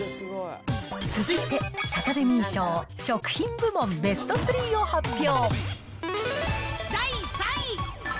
続いて、サタデミー賞、食品部門ベストスリーを発表。